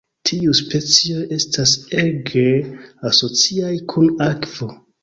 Tiuj specioj estas ege asociaj kun akvo.